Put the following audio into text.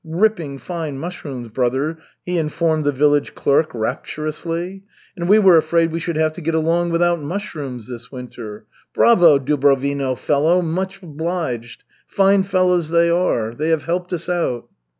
Ripping fine mushrooms, brother," he informed the village clerk rapturously. "And we were afraid we should have to get along without mushrooms this winter. Bravo, Dubrovino fellow, much obliged! Fine fellows they are! They have helped us out!"